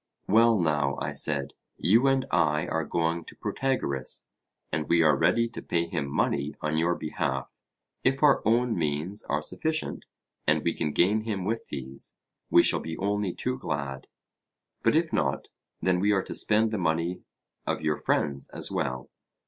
Well now, I said, you and I are going to Protagoras, and we are ready to pay him money on your behalf. If our own means are sufficient, and we can gain him with these, we shall be only too glad; but if not, then we are to spend the money of your friends as well.